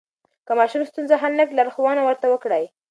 که ماشوم ستونزه حل نه کړي، لارښوونه ورته وکړئ.